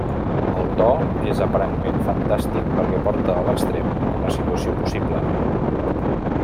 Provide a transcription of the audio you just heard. El to és aparentment fantàstic perquè porta a l'extrem una situació possible.